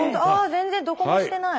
全然どこもしてない。